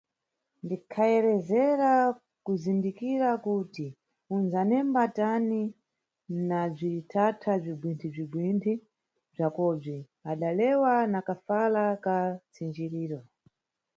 Ndikhayeresera kuzindikira kuti unʼdzanemba tani na bzithatha bzigwinthi-gwinthi bzakobzi, –adalewa na kafala ka tsinjiriro.